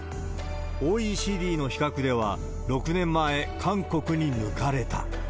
ＯＥＣＤの比較では、６年前、韓国に抜かれた。